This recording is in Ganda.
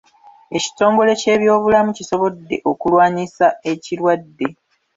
Ekitongole ky'ebyobulamu kisobodde okulwanisa ekitwadde.